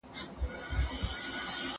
که څوک غلا وکړي، نو لاسونه به يې پرې سي.